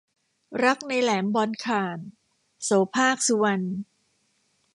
รักในแหลมบอลข่าน - โสภาค สุวรรณ